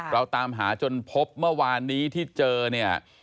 เราตามหาจนพบเมื่อวานนี้ที่เจอเนี่ย